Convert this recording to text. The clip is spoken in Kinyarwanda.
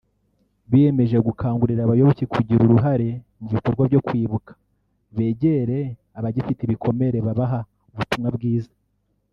biyemeje gukangurira abayoboke kugira uruhare mu bikorwa byo kwibuka begera abagifite ibikomere babaha ubutumwa bwiza